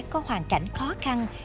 có hoàn cảnh khó khăn